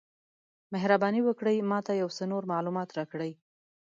مهرباني وکړئ ما ته یو څه نور معلومات راکړئ؟